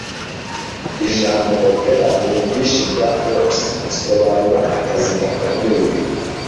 Ijambo opera nubwinshi bwa opus risobanura Akazi gakomeye